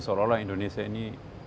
seolah olah indonesia ini